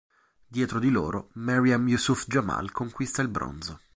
Dietro di loro Maryam Yusuf Jamal conquista il bronzo.